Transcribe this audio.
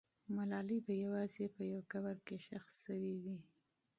ملالۍ به یوازې په یو قبر کې ښخ سوې وي.